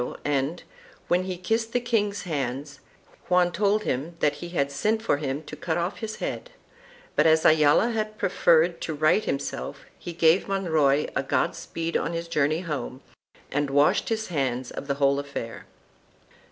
1780). CHAP. I] VIOLENCE AND TREACHERY 5 and, when he kissed the king's hands, Juan told him that he had sent for him to cut off his head, but as Ayala had preferred to right himself he gave Monroy a God speed on his journey home and washed his hands of the whole affair.